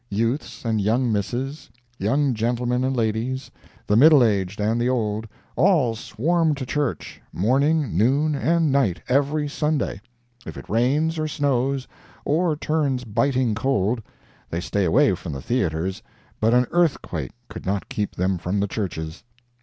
Youths and young misses, young gentlemen and ladies, the middle aged and the old, all swarm to church, morning, noon and night every Sunday. If it rains, or snows, or turns biting cold, they stay away from the theatres, but an earthquake could not keep them from the churches.